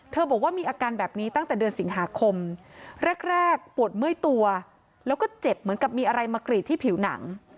บอกว่ามีอาการแบบนี้ตั้งแต่เดือนสิงหาคมแรกปวดเมื่อยตัวแล้วก็เจ็บเหมือนกับมีอะไรมากรีดที่ผิวหนัง